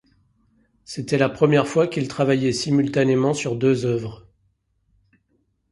C'était la première fois qu'il travaillait simultanément sur deux œuvres.